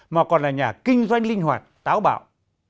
mà còn là nhà kinh doanh linh hoạt táo bạo